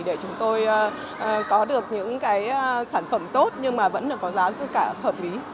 để chúng tôi có được những cái sản phẩm tốt nhưng mà vẫn có giá rất là hợp lý